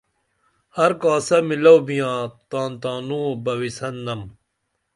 ہر کاسہ میلو بیاں تان تانوں بویسن نم